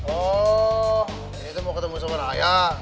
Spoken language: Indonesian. oh ini tuh mau ketemu sama raya